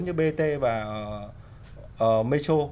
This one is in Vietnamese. như bt và metro